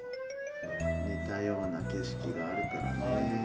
似たような景色があるからね。